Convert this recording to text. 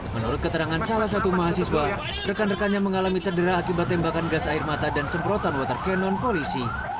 menurut keterangan salah satu mahasiswa rekan rekannya mengalami cedera akibat tembakan gas air mata dan semprotan water cannon polisi